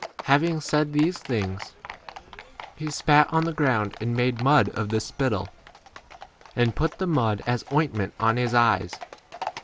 Having said these things, he spat on the ground and made mud of the spittle, and put the mud, as ointment, on his eyes.?